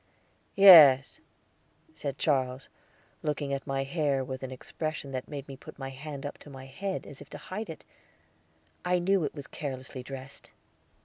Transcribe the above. "Yes," said Charles, looking at my hair with an expression that made me put my hand up to my head as if to hide it; I knew it was carelessly dressed.